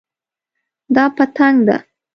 دا پتنګ ده